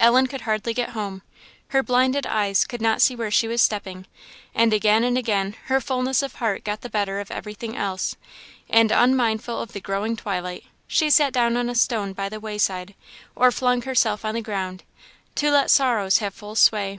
Ellen could hardly get home. Her blinded eyes could not see where she was stepping; and again and again her fulness of heart got the better of everything else, and, unmindful of the growing twilight, she sat down on a stone by the wayside, or flung herself on the ground, to let sorrows have full sway.